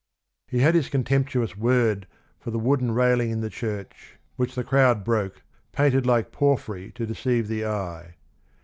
He has his contemptuous word for the wooden railing in the church, which the crowd broke, painted like porphyry to deceive the eye.